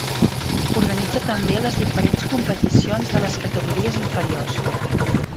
Organitza també les diferents competicions de les categories inferiors.